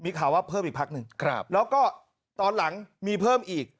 มีข่าวว่าเพิ่มอีกพักหนึ่งแล้วก็ตอนหลังมีเพิ่มอีก